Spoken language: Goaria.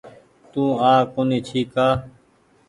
تو آ ڪونيٚ ڇي ڪآ۔